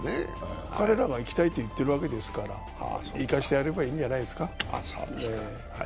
彼らが行きたいと言ってるわけですから、行かせてやればいいんじゃないですか。